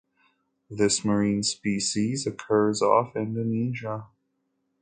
This marine species occurs off Indonesia